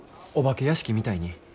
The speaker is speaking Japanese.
お化け屋敷みたいに。